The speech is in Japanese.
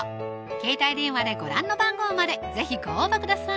携帯電話でご覧の番号まで是非ご応募ください